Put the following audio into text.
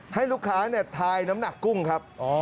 ให้ลูกค้าทายน้ำหนักกุ้งครับ